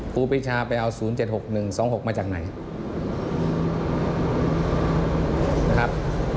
ครูปีชาไปเอา๐๗๖๑๒๖มาจากไหนนะครับ